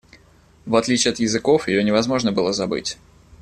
В отличие от языков ее невозможно было забыть.